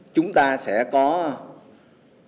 chúng ta sẽ có hàng chục năm